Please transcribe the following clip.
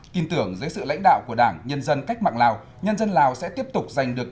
tin tưởng dưới sự lãnh đạo của đảng nhân dân cách mạng lào nhân dân lào sẽ tiếp tục giành được